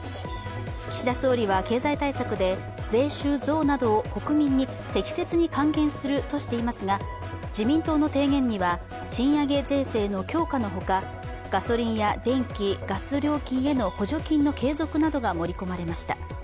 岸田総理は経済対策で税収増などを国民に適切に還元するとしていますが自民党の提言には、賃上げ税制の強化のほかガソリンや電気・ガス料金への補助金の継続などが盛り込まれました。